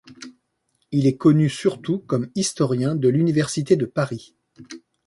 Il est connu surtout comme historien de l'université de Paris.